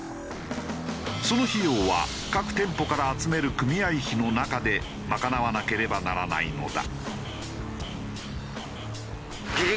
その費用は各店舗から集める組合費の中で賄わなければならないのだ。